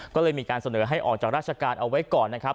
ก็เลยมีการเสนอให้ออกจากราชการเอาไว้ก่อนนะครับ